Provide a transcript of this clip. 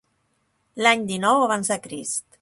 L'any dinou abans de Crist.